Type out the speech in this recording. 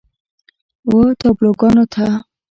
و تابلوګانو ته